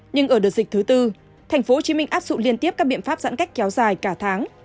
nhưng ở đợt dịch thứ tư tp hcm áp dụng liên tiếp các biện pháp giãn cách kéo dài cả tháng